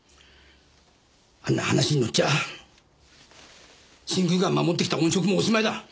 あんな話に乗っちゃあ新宮が守ってきた音色もおしまいだ。